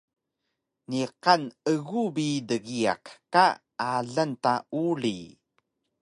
Niqan egu bi dgiyaq ka alang ta uri